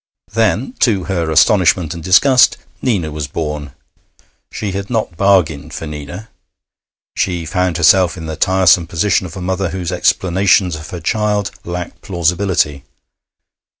Then, to her astonishment and disgust, Nina was born. She had not bargained for Nina. She found herself in the tiresome position of a mother whose explanations of her child lack plausibility.